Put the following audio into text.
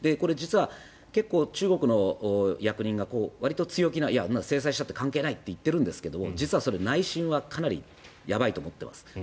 実は、中国の役人がわりと強気にいや、制裁したって関係ないって言ってるんですけど実は内心はかなりやばいと思ってます。